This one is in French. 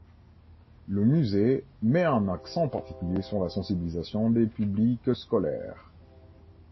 Le musée met un accent particulier sur la sensibilisation des publics scolaires.